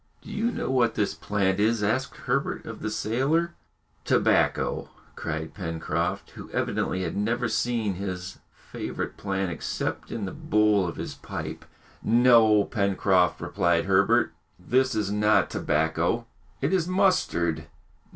"Do you know what this plant is?" asked Herbert of the sailor. "Tobacco!" cried Pencroft, who evidently had never seen his favourite plant except in the bowl of his pipe. "No, Pencroft," replied Herbert; "this is not tobacco, it is mustard."